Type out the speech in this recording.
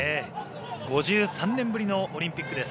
５３年ぶりのオリンピックです。